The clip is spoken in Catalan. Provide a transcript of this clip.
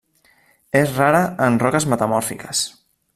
És rara en roques metamòrfiques.